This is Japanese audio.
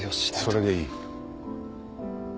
それでいい。